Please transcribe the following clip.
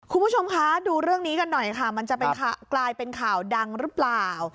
คุณผู้ชมคะดูเรื่องนี้กันหน่อยค่ะมันจะกลายเป็นข่าวดังหรือเปล่า